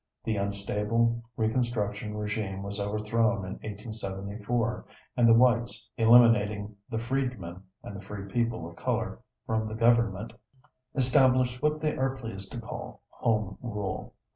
The unstable Reconstruction regime was overthrown in 1874 and the whites, eliminating the freedmen and free people of color from the government, established what they are pleased to call "home rule."